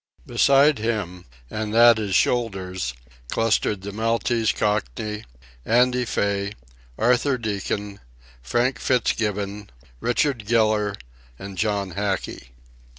Beside him, and at his shoulders, clustered the Maltese Cockney, Andy Fay, Arthur Deacon, Frank Fitzgibbon, Richard Giller, and John Hackey.